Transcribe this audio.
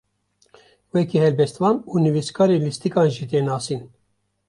Weke helbestvan û nivîskarê lîstikan jî tê nasîn.